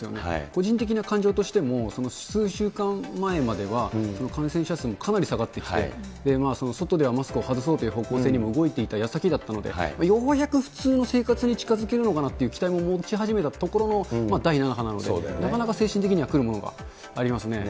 個人的な感情としても、数週間前までは、その感染者数もかなり下がってきて、外ではマスクを外そうという方向性にも動いていたやさきだったので、ようやく普通の生活に近づけるのかなっていう期待も持ち始めたところの第７波なので、なかなか精神的にはくるものがありますね。